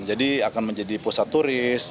jadi akan menjadi pusat turis